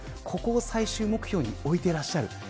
ここを最終目標に置いてらっしゃる。